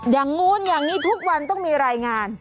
อย่างนู้นอย่างนี้ทุกวันต้องมีรายงาน